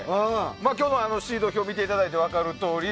今日はトーナメント表を見ていただいて分かるとおり